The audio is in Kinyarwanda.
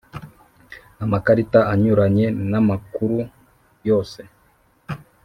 Amakarita anyuranye n amakuru yose